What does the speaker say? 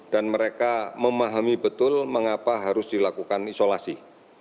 dan mereka memahami betul mengapa harus dilakukan isolasi